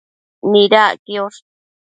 Nidac quiosh